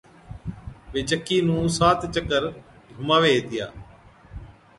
وي چڪِي نُون سات چڪر گھُماوي ھِتيا